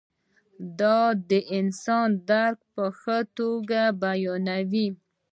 دا د انسان درک په ښه توګه بیانوي.